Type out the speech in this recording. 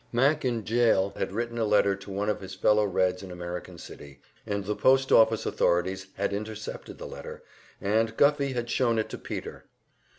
Mac in jail had written a letter to one of his fellow Reds in American City, and the post office authorities had intercepted the letter, and Guffey had shown it to Peter.